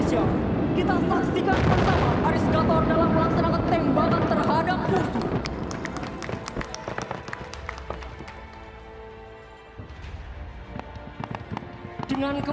salah satu alutsista terbang